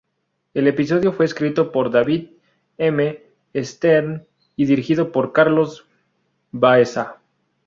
El episodio fue escrito por David M. Stern y dirigido por Carlos Baeza.